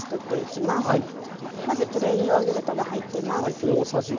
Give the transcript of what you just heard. まずプレーンヨーグルトが入ってます。